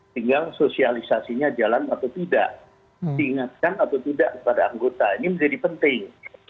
tinggal sosialisasinya jalan atau tidak diingatkan atau tidak kepada anggota ini menjadi penting